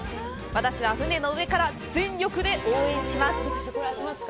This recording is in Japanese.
私は船の上から全力で応援します！！